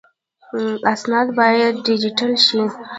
اسناد باید ډیجیټل شي